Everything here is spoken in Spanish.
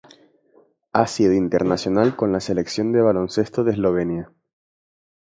Ha sido internacional con la Selección de baloncesto de Eslovenia.